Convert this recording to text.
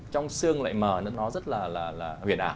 trong xương lại mờ nó rất là huyền ả